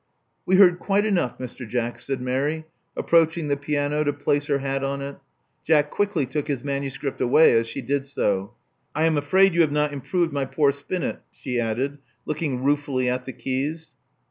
We heard quite enough, Mr. Jack," said Mary, approaching the piano to place her hat on it. Jack quickly took his manuscript away as she did so. I am afraid you have not improved my poor spinet," she added, looking ruefully at the keys.